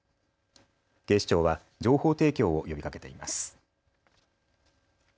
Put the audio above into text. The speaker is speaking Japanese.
警視庁は情報提供を呼びかけています。